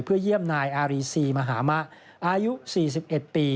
เพื่อเยี่ยมนายอารีซีมหามะอายุ๔๑ปี